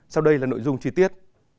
sau đây là nội dung chi tiết